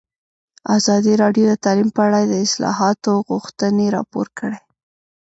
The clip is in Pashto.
ازادي راډیو د تعلیم په اړه د اصلاحاتو غوښتنې راپور کړې.